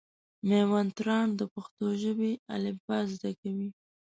مېوند تارڼ د پښتو ژبي الفبا زده کوي.